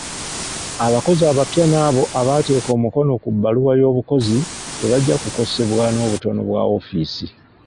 Abakozi abapya n'abo abaateeka omukono ku bbaluwa y'obukozi tebajja kukosebwa n'obutono bwa woofiisi.